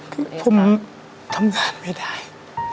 คือผมทำงานไม่ได้